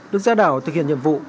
đức gia đảo thực hiện nhiệm vụ